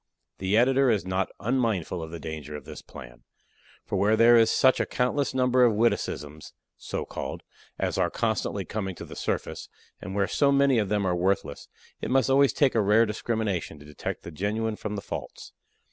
The Editor is not unmindful of the danger of this plan. For where there is such a countless number of witticisms (so called) as are constantly coming to the surface, and where so many of them are worthless, it must always take a rare discrimination to detect the genuine from the false.